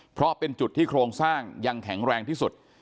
เพราะเป็นจุดที่โครงสร้างยังแข็งแรงที่สุด